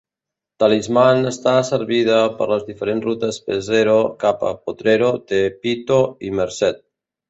Talisman està servida per les diferents rutes Pesero cap a Potrero, Tepito i Merced.